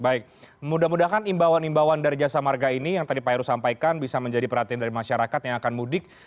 baik mudah mudahan imbauan imbauan dari jasa marga ini yang tadi pak heru sampaikan bisa menjadi perhatian dari masyarakat yang akan mudik